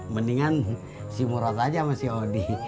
mendingan si murat aja sama si odi